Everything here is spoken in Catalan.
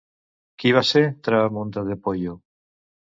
Qui va ser Trahamunda de Poio?